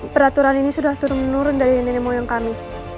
peraturan ini sudah turun menurun dari nenek moyang kami